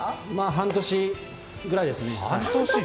半年くらいですね。